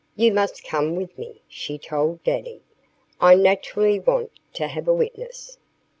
You must come with me," she told Daddy. "I naturally want to have a witness."